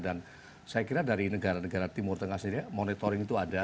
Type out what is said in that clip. saya kira dari negara negara timur tengah sendiri monitoring itu ada